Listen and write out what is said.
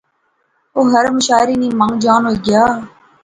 او ہر مشاعرے نی مانگ جان ہوئی گیا